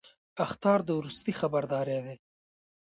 اخطار د وروستي خبرداری دی